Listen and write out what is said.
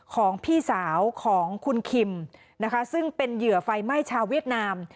ของพี่สาวของคุณคิมนะคะซึ่งเป็นเหยื่อไฟไหม้ชาวเวียดนาม